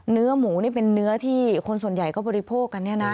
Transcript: เนื้อหมูนี่เป็นเนื้อที่คนส่วนใหญ่ก็บริโภคกันเนี่ยนะ